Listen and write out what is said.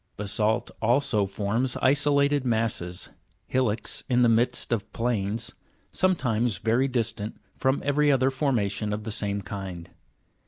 Basa'lt also forms isolated masses, hillocks in the midst of planes, sometimes very distant from every other formation of the same kind.